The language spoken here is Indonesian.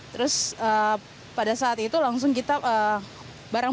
terus pada saat itu langsung kita bareng bareng